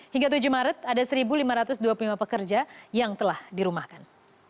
hingga tujuh maret ada satu lima ratus dua puluh lima pekerja yang telah dirumahkan